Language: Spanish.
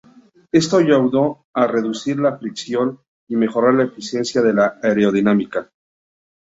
Esto ayudó a reducir la fricción y mejorar la eficiencia aerodinámica.